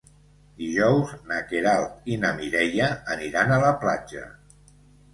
Dijous na Queralt i na Mireia aniran a la platja.